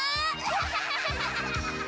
ハハハハ！